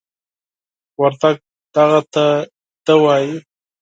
وردگ "دغه" ته "دَ" وايي.